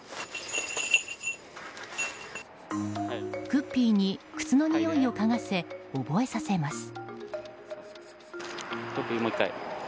クッピーに靴のにおいをかがせ覚えさせます。